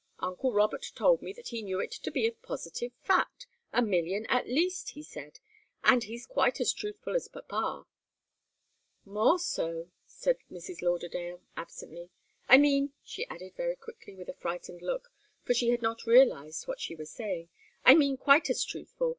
Uncle Robert told me that he knew it to be a positive fact a million, at least, he said. And he's quite as truthful as papa " "More so," said Mrs. Lauderdale, absently; "I mean," she added, very quickly, with a frightened look, for she had not realized what she was saying "I mean quite as truthful.